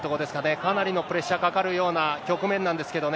かなりのプレッシャーかかるような局面なんですけどね。